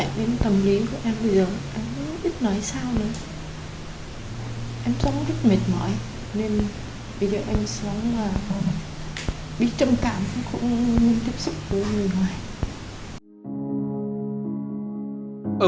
em sống rất mệt mỏi nên bây giờ em sống bị trâm cảm khổ nguyên liên tiếp xúc của người ngoài